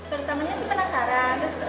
pertama tama saya penasaran